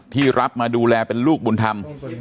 ที่รับมาดูแลเป็นลูกบุญธรรม